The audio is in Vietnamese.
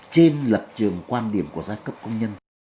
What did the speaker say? trên lập trường quan điểm của giai cấp công nhân